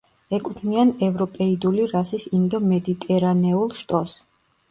ეკუთვნიან ევროპეიდული რასის ინდო-მედიტერანეულ შტოს.